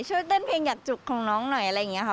ช่วยเต้นเพลงอยากจุกของน้องหน่อยอะไรอย่างนี้ค่ะ